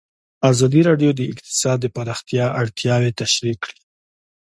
ازادي راډیو د اقتصاد د پراختیا اړتیاوې تشریح کړي.